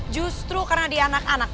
justru karena dia anak anak